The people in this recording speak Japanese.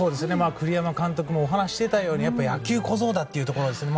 栗山監督もお話ししていたように野球小僧だということですね。